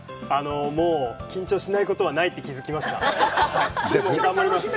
もう緊張しないことはないって気づきました。